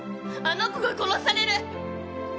あの子が殺される！